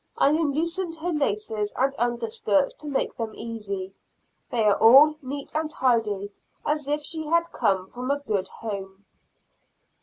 I unloosened her laces and underskirts to make them easy; they are all neat and tidy, as if she had come from a good home.